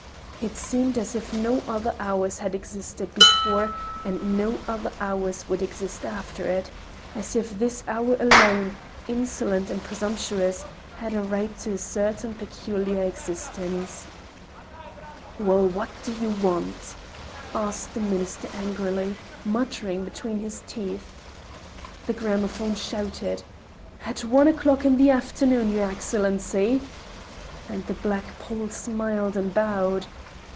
It seemed as if no other hours had existed before it and no other hours would exist after it—as if this hour alone, insolent and presumptuous, had a right to a certain peculiar existence. "Well, what do you want?" asked the Minister angrily, muttering between his teeth. The gramophone shouted: "At one o'clock in the afternoon, your Excellency!" and the black pole smiled and bowed.